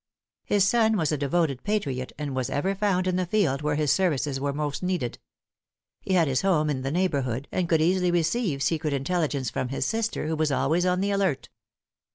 His son was a devoted patriot, and was ever found in the field where his services were most needed. He had his home in the neighborhood, and could easily receive secret intelligence from his sister, who was always on the alert.